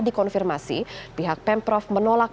dikonfirmasi pihak pemprov menolak